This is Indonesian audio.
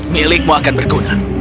milikmu akan berguna